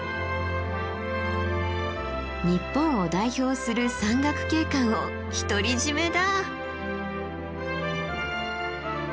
日本を代表する山岳景観を独り占めだ。